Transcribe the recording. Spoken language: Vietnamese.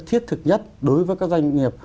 thiết thực nhất đối với các doanh nghiệp